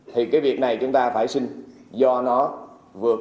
thì cái việc này sẽ là một cơ chế riêng phát triển về đường sát đô thị